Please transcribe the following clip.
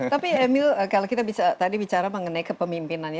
tapi emil kalau kita tadi bicara mengenai kepemimpinan ya